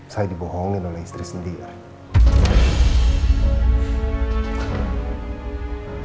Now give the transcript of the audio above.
saya dibohongin oleh istri sendiri